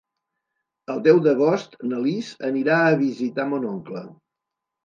El deu d'agost na Lis anirà a visitar mon oncle.